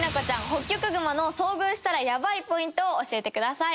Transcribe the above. ホッキョクグマの遭遇したらヤバいポイントを教えてください。